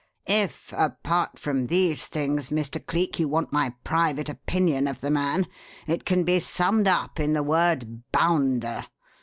If, apart from these things, Mr. Cleek, you want my private opinion of the man, it can be summed up in the word 'Bounder.'